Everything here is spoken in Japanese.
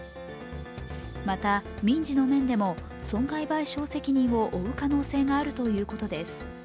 また、民事の面でも、損害賠償責任を負う可能性があるということです。